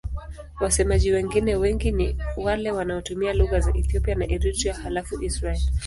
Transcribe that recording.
Wasemaji wengine wengi ni wale wanaotumia lugha za Ethiopia na Eritrea halafu Israel.